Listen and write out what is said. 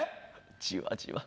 じわじわ。